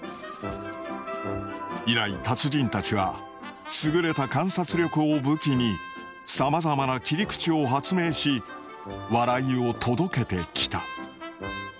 以来達人たちは優れた観察力を武器にさまざまな切り口を発明し笑いを届けてきた。